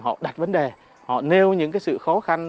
họ đặt vấn đề họ nêu những sự khó khăn